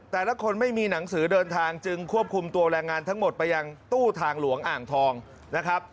แต่ละคนไม่มีหนังสือเดินทางจึงควบคุมตัวแรงงานทั้งหมดไปยังตู้ทางหลวงอ่างทองนะครับ